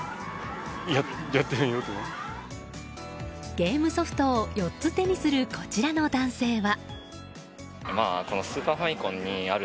ゲームソフトを４つ手にするこちらの男性は。